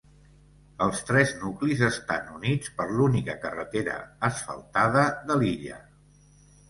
Els tres nuclis estan units per l'única carretera asfaltada de l'illa.